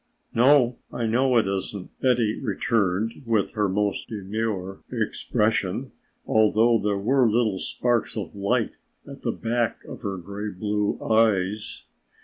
"No, I know it isn't," Betty returned with her most demure expression, although there were little sparks of light at the back of her gray blue eyes.